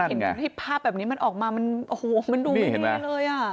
เค้นลืมที่ภาพแบบนี้มันออกมามันโหมันดูไม่เห็นเลยอ่ะ